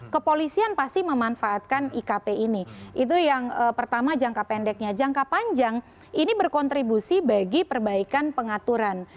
kepolisian pasti memanfaatkan ikp ini itu yang pertama jangka pendeknya jangka panjang ini berkontribusi bagi perbaikan pengaturan